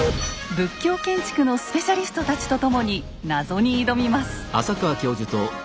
仏教建築のスペシャリストたちと共に謎に挑みます。